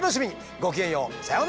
ごきげんようさようなら！